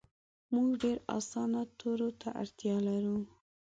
مونږ ډیر اسانه تورو ته اړتیا لرو